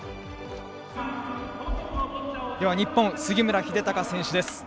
日本、杉村英孝選手です。